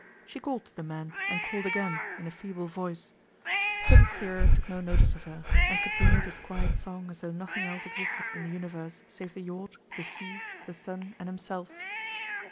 She called to the man, and called again, in a feeble voice, but the steerer took no notice of her, and continued his quiet song as though nothing else existed in the universe save the yacht, the sea, the sun, and himself.